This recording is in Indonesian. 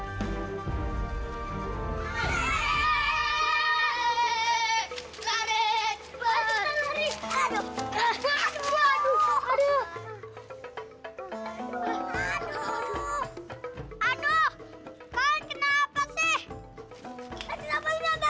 kenapa ini abang aku